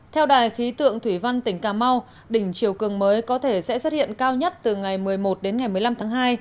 theo đài khí tượng thủy văn tỉnh cà mau đỉnh chiều cường mới có thể sẽ xuất hiện cao nhất từ ngày một mươi một đến ngày một mươi năm tháng hai